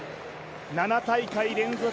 ７大会連続